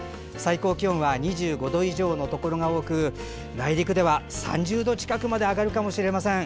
最高気温は２５度以上のところが多く内陸では３０度近くまで上がるかもしれません。